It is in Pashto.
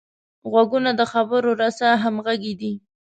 غوږونه د خبرو رسه همغږي دي